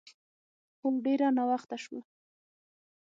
هو، ډېر ناوخته شوه.